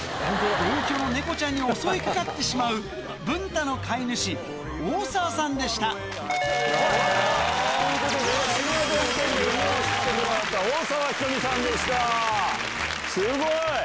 同居のネコちゃんに襲い掛かってしまう文太の飼い主大澤さんでしたすごい！